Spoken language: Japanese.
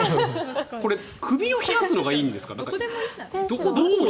これ首を冷やすのがいいんですか？